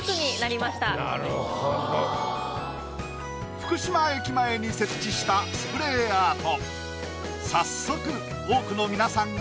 福島駅前に設置したスプレーアート。